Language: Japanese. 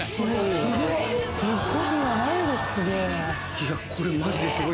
いやこれマジですごい。